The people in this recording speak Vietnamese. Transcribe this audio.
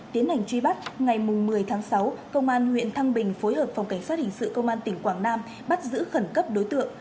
tiến hành truy bắt ngày một mươi tháng sáu công an huyện thăng bình phối hợp phòng cảnh sát hình sự công an tỉnh quảng nam bắt giữ khẩn cấp đối tượng